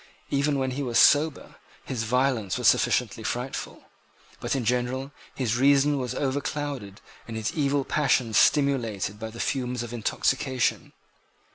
Even when he was sober, his violence was sufficiently frightful. But in general his reason was overclouded and his evil passions stimulated by the fumes of intoxication.